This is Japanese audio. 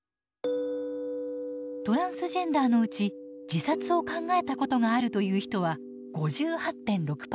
トランスジェンダーのうち自殺を考えたことがあるという人は５８．６％。